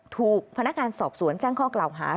ถูกพนักงานสอบสวนแจ้งข้อกล่าวหา